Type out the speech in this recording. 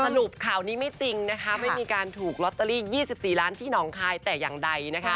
สรุปข่าวนี้ไม่จริงนะคะไม่มีการถูกลอตเตอรี่๒๔ล้านที่หนองคายแต่อย่างใดนะคะ